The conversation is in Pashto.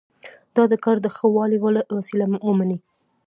دا د کار د ښه والي وسیله ومني.